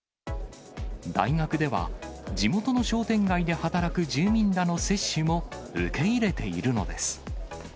大学では、地元の商店街で働く住民らの接種も受け入れているのです。